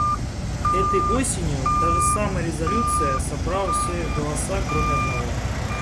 Этой осенью та же самая резолюция собрала все голоса, кроме одного.